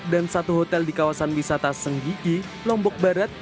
dan satu hotel di kawasan wisata senggigi lombok barat